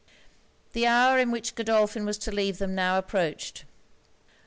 The hour in which Godolphin was to leave them now approached.